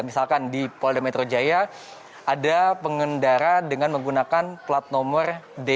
misalkan di polda metro jaya ada pengendara dengan menggunakan plat nomor d